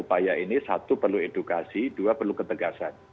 upaya ini satu perlu edukasi dua perlu ketegasan